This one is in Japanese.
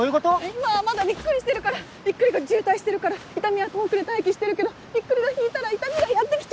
今はまだびっくりしてるからびっくりが渋滞してるから痛みは遠くで待機してるけどびっくりが引いたら痛みがやってきちゃう。